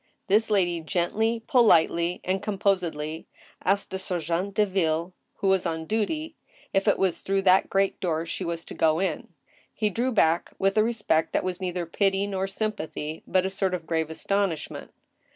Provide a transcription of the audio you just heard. This lady gently, politely, and composedly asked a sergent^de vilh, who was on duty, if it was through that great door she was to go in ? He drew back#rith a respect that was neither pity nor sympa thy, but a sort of grave astonishment.